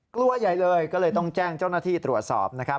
กลัวใหญ่เลยก็เลยต้องแจ้งเจ้าหน้าที่ตรวจสอบนะครับ